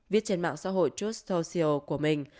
viết trên mạng xã hội justocio của mình